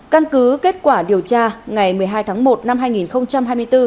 căn cứ kết quả điều tra ngày một mươi hai tháng một năm hai nghìn hai mươi bốn